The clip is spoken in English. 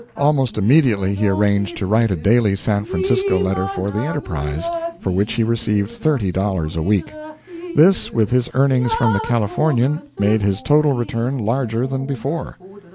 Almost immediately he arranged to write a daily San Francisco letter for the "Enterprise," for which he received thirty dollars a week. This, with his earnings from the "Californian," made his total return larger than before.